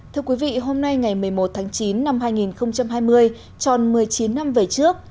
thưa quý vị hôm nay ngày một mươi một tháng chín năm hai nghìn hai mươi tròn một mươi chín năm về trước